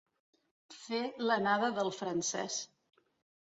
Fer l'anada del francès.